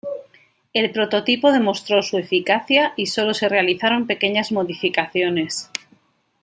El prototipo demostró su eficacia y sólo se realizaron pequeñas modificaciones.